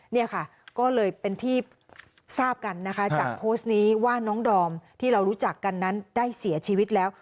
เนี่ยค่ะก็เลยเป็นที่ทราบกันนะคะจากโพสต์นี้ว่าน้องดอมที่เรารู้จักกันนั้นได้เสียชีวิตแล้ว